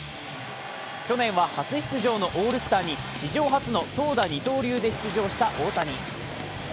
去年は初出場のオールスターに史上初の投打二刀流で出場した大谷。